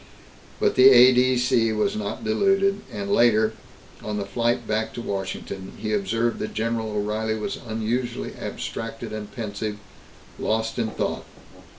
But the A.D.C. was not deluded and later, on the flight back to Washington, he observed that General O'Reilly was unusually abstracted and pensive, lost in thought.